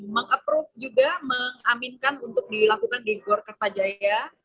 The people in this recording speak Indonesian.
mengaprove juga mengaminkan untuk dilakukan di gor kertajaya